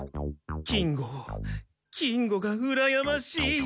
金吾金吾がうらやましい。